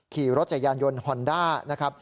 ขี่รถจักรยานยนต์ฮอนด้า